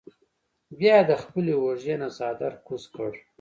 بیا ئې د خپلې اوږې نه څادر کوز کړۀ ـ